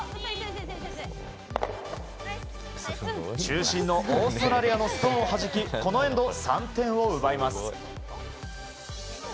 中心のオーストラリアのストーンをはじきこのエンド、３点を奪います。